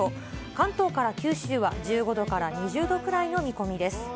関東から九州は１５度から２０度くらいの見込みです。